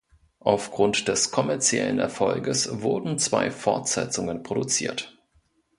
Aufgrund des kommerziellen Erfolges wurden zwei Fortsetzungen produziert.